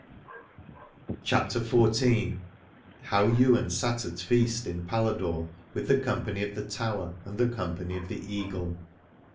8i CHAPTER XIV. HOW YWAIN SAT AT FEAST IN PALADORE WITH THE COMPANY OF THE TOWER AND THE COMPANY OF THE EAGLE.